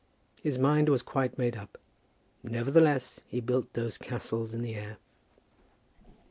His mind was quite made up. Nevertheless he built those castles in the air.